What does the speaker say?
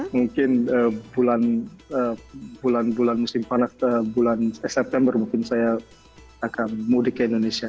mungkin bulan bulan musim panas bulan september mungkin saya akan mudik ke indonesia